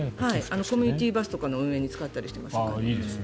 コミュニティーバスの運営とかに使ったりしています。